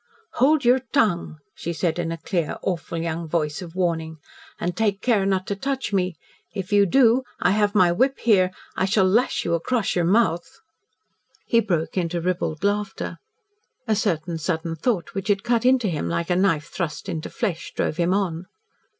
"Hold your tongue!" she said in a clear, awful young voice of warning. "And take care not to touch me. If you do I have my whip here I shall lash you across your mouth!" He broke into ribald laughter. A certain sudden thought which had cut into him like a knife thrust into flesh drove him on.